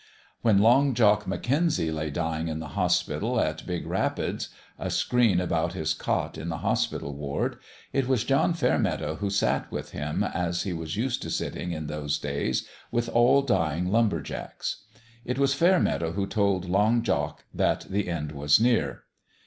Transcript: When Long Jock McKenzie lay dying in the hospital at Big Rapids a screen about his cot in the hospital ward it was John Fairmeadow who sat with him, as he was used to sitting, in those days, with all dying lumber jacks. ON THE GRADE 213 It was Fairmeadow who told Long Jock that the end was near.